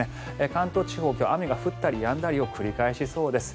関東地方雨が降ったりやんだりを繰り返しそうです。